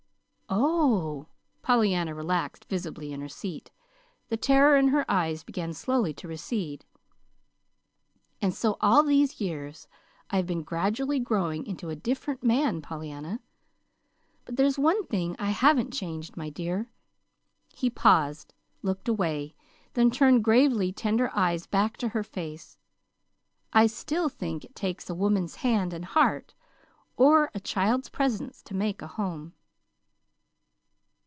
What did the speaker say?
"Oh h!" Pollyanna relaxed visibly in her seat. The terror in her eyes began slowly to recede. "And so all these years I've been gradually growing into a different man, Pollyanna. But there's one thing I haven't changed in, my dear." He paused, looked away, then turned gravely tender eyes back to her face. "I still think it takes a woman's hand and heart or a child's presence to make a home."